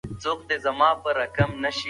سعید په خپلو سترګو کې د کلي د لیدلو هیله لري.